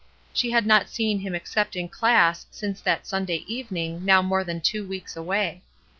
She had not seen him except in class since that Sunday evening now more than two weeks away.